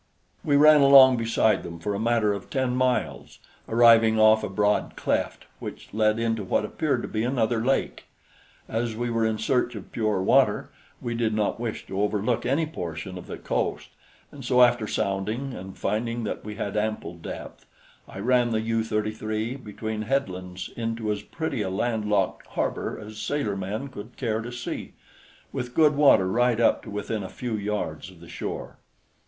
We ran along beside them for a matter of ten miles, arriving off a broad cleft which led into what appeared to be another lake. As we were in search of pure water, we did not wish to overlook any portion of the coast, and so after sounding and finding that we had ample depth, I ran the U 33 between head lands into as pretty a landlocked harbor as sailormen could care to see, with good water right up to within a few yards of the shore.